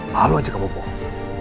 lalu aja kamu bohong